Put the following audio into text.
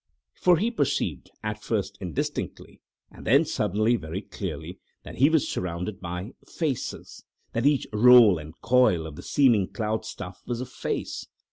For he perceived, at first indistinctly, and then suddenly very clearly, that he was surrounded by FACES! that each roll and coil of the seeming cloud stuff was a face.